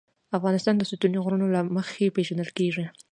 افغانستان د ستوني غرونه له مخې پېژندل کېږي.